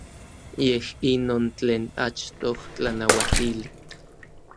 Yej inon tlen achtoj tlanauatili.